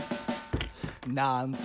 「なんと！